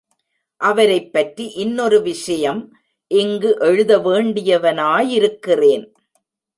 அவரைப்பற்றி இன்னொரு விஷயம் இங்கு எழுத வேண்டியவனாயிருக்கிறேன்.